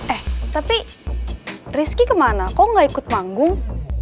eh tapi rizky kemana kok gak ikut panggung